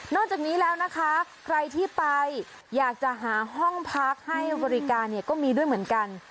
จากนี้แล้วนะคะใครที่ไปอยากจะหาห้องพักให้บริการเนี่ยก็มีด้วยเหมือนกัน